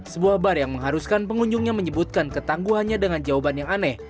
sebuah bar yang mengharuskan pengunjungnya menyebutkan ketangguhannya dengan jawaban yang aneh